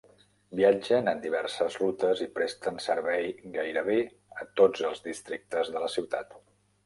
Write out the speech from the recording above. Viatgen en diverses rutes i presten servei gairebé a tots els districtes de la ciutat.